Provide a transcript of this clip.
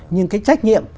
nhưng cái trách nhiệm